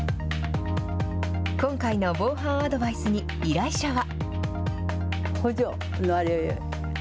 今回の防犯アドバイスに依頼者は。